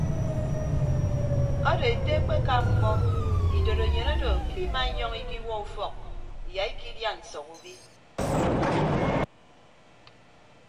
Ado ete akpeka mkpọ idorenyin odo ke ima inyọñ ikiwuọ ufọk iya ikịdia nsọk ubi.